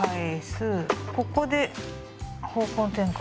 ここで方向転換。